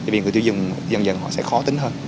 vì người tiêu dùng dần dần họ sẽ khó tính hơn